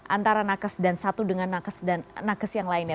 antara nakes dan satu dengan nakes yang lainnya